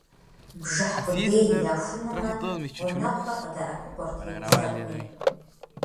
Бжыхь къудей яхунумэ, гъунэгъухэр къыдэӀэпыкъурт, емылъэӀуми.